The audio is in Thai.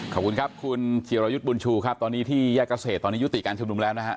ขอบคุณครับคุณจิรยุทธ์บุญชูครับตอนนี้ที่แยกเกษตรตอนนี้ยุติการชุมนุมแล้วนะฮะ